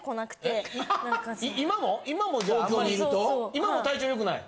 今も体調良くない？